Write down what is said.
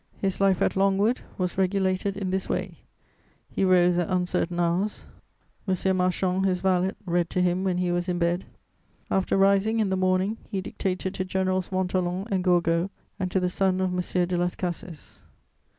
His life at Longwood was regulated in this way: he rose at uncertain hours; M. Marchand, his valet, read to him when he was in bed; after rising, in the morning, he dictated to Generals Montholon and Gourgaud and to the son of M. de Las Cases.